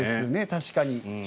確かに。